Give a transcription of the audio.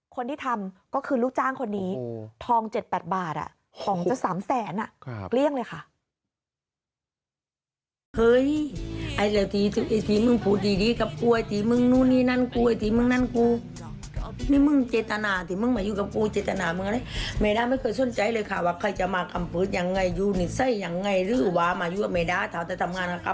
คนที่ทำก็คือลูกจ้างคนนี้ทอง๗๘บาทของจะ๓แสนเกลี้ยงเลยค่ะ